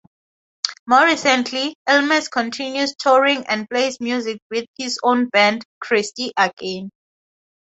More recently, Elmes continues touring and plays music with his own band, Christie Again.